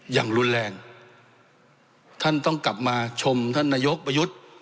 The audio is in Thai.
อย่างรุนแรงท่านต้องกลับมาชมท่านนายกประยุทธ์